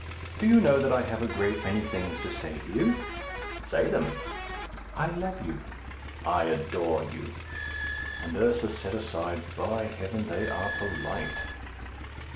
"Do you know that I have a great many things to say to you?" "Say them." "I love you." "I adore you." And Ursus said aside, "By heaven, they are polite!"